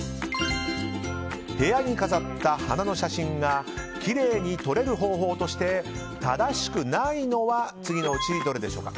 部屋に飾った花の写真がきれいに撮れる方法として正しくないのは次のうちどれでしょうか？